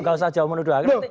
nggak usah menuduh hakim